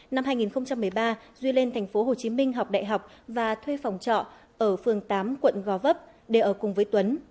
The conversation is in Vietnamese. năm hai nghìn một mươi ba duy lên tp hcm học đại học và thuê phòng trọ ở phường tám quận gò vấp để ở cùng với tuấn